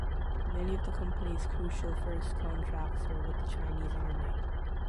Many of the company’s crucial first contracts were with the Chinese army.